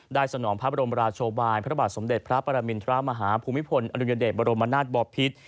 สนองพระบรมราชบายพระบาทสมเด็จพระปรมินทรมาฮาภูมิพลอดุญเดชบรมนาศบอพิษ